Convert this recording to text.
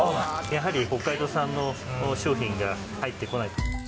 やはり北海道産の商品が入ってこない。